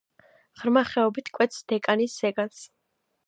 ღრმა ხეობით კვეთს დეკანის ზეგანს.